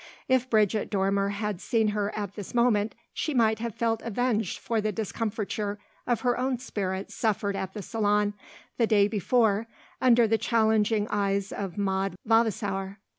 If Bridget Dormer had seen her at this moment she might have felt avenged for the discomfiture of her own spirit suffered at the Salon, the day before, under the challenging eyes of Maud Vavasour.